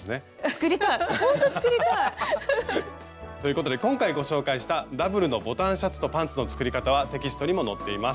作りたいほんと作りたい！ということで今回ご紹介したダブルのボタンシャツとパンツの作り方はテキストにも載っています。